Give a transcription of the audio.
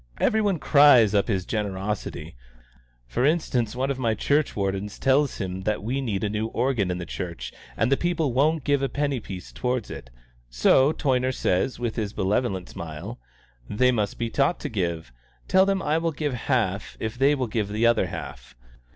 Every one cries up his generosity; for instance, one of my church wardens tells him that we need a new organ in the church and the people won't give a penny piece towards it, so Toyner says, with his benevolent smile, 'They must be taught to give. Tell them I will give half if they will give the other half.'